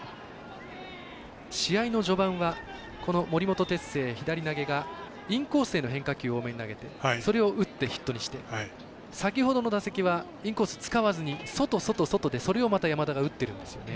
試合の序盤は森本哲星、左投げがインコースへの変化球を多めに投げてヒットにして先ほどの打席はインコース使わず外、外、外でそれをまた山田が打っているんですよね。